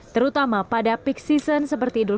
terutama pada peak season